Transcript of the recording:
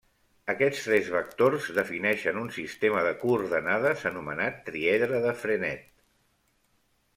Aquests tres vectors defineixen un sistema de coordenades anomenat triedre de Frenet.